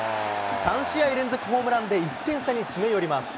３試合連続ホームランで１点差に詰め寄ります。